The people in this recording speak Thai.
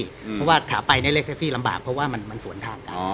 เพราะว่าขาไปเรียกแท็กซี่ลำบากเพราะว่ามันสวนทางกัน